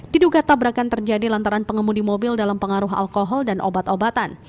diduga tabrakan terjadi lantaran pengemudi mobil dalam pengaruh alkohol dan obat obatan